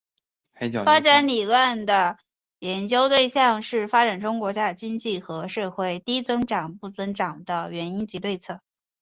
发展理论的研究对象是发展中国家的经济和社会低增长不增长的原因及对策。